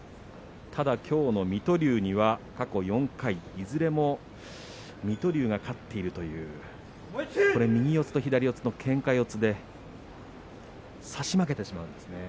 きょうの水戸龍には、過去４回いずれも水戸龍が勝っているという右四つと左四つの、けんか四つで差し負けてしまうんですね。